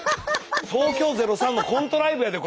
東京０３のコントライブやでこれ。